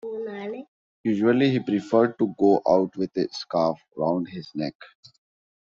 Usually he preferred to go out with a scarf round his neck.